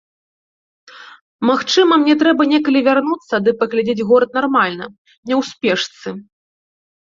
Магчыма, мне трэба некалі вярнуцца ды паглядзець горад нармальна, не ў спешцы.